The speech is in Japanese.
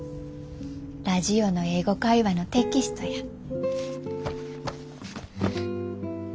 ラジオの「英語会話」のテキストや。